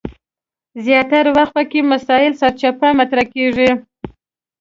زیاتره وخت پکې مسایل سرچپه مطرح کیږي.